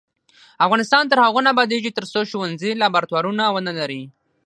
افغانستان تر هغو نه ابادیږي، ترڅو ښوونځي لابراتوارونه ونه لري.